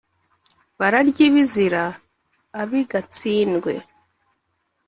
bararya ibizira ab’i gatsindwe,